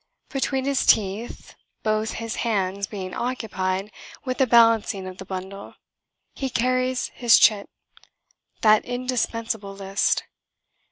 Between his teeth both his hands being occupied with the balancing of the bundle he carries his chit: that indispensable list.